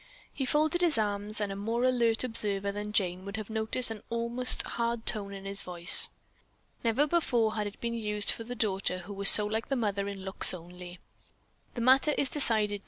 He folded his arms and a more alert observer than Jane would have noticed an almost hard tone in his voice. Never before had it been used for the daughter who was so like the mother in looks only. "The matter is decided.